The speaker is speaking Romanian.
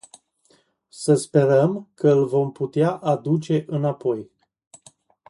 Să sperăm că îl vom putea aduce înapoi.